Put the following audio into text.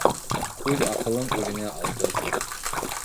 Үҙ аҡылың үҙеңә алтын.